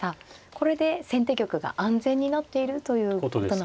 これで先手玉が安全になっているということなんですね。